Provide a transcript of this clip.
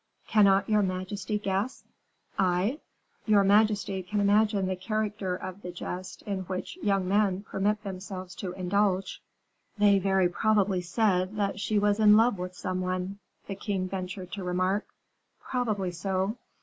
"Cannot your majesty guess?" "I?" "Your majesty can imagine the character of the jest in which young men permit themselves to indulge." "They very probably said that she was in love with some one?" the king ventured to remark. "Probably so."